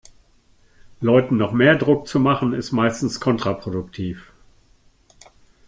Leuten noch mehr Druck zu machen, ist meistens kontraproduktiv.